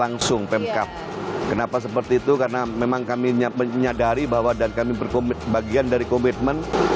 akhirnya saya diberikan kejaya jadi keadaan memang cukup hmm